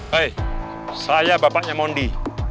hei saya bapaknya mondi